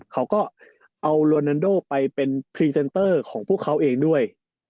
เขาก็เอาโรนันโดไปเป็นพรีเซนเตอร์ของพวกเขาเองด้วย